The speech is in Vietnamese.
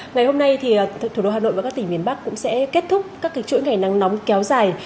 ngày hôm nay thủ đô hà nội và các tỉnh miền bắc cũng sẽ kết thúc các chuỗi ngày nắng nóng kéo dài